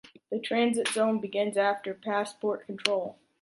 The transit zone begins after passport control.